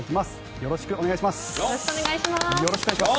よろしくお願いします。